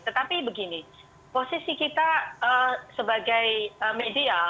tetapi begini posisi kita sebagai media